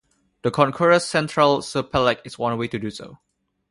The Concours Centrale-Supelec is one way to do so.